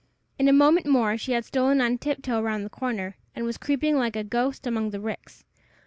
In a moment more she had stolen on tiptoe round the corner, and was creeping like a ghost among the ricks.